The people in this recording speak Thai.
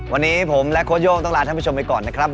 วันนี้ผมและโค้ชโย่งต้องลาท่านผู้ชมไปก่อนนะครับ